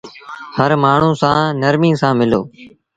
هر مآڻهوٚݩ سآݩ نرمي سآݩ ملو۔